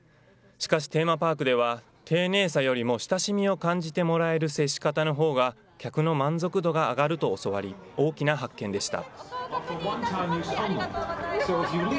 しかし、テーマパークでは、丁寧さよりも親しみを感じてもらえる接し方のほうが客の満足度が上がると教わり、大きな発見でした。